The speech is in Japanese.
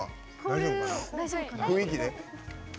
雰囲気で。